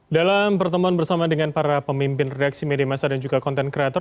dalam pertemuan bersama dengan para pemimpin redaksi media masa dan juga content creator